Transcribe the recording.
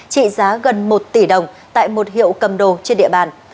trị giá gần một tỷ đồng tại một hiệu cầm đồ trên địa bàn